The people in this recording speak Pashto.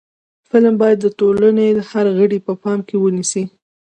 فلم باید د ټولنې هر غړی په پام کې ونیسي